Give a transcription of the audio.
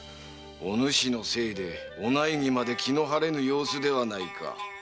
お主のせいでお内儀まで気の晴れぬ様子ではないか。